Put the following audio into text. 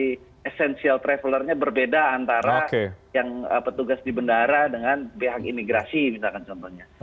essential travelernya berbeda antara yang petugas di bendara dengan pihak imigrasi misalkan contohnya